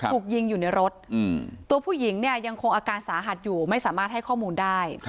ถูกยิงอยู่ในรถตัวผู้หญิงเนี่ยยังคงอาการสาหัสอยู่ไม่สามารถให้ข้อมูลได้